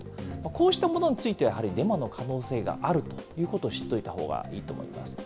こうしたものについては、やはりデマの可能性があるということを知っておいた方がいいと思います。